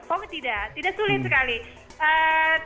oh tidak tidak sulit sekali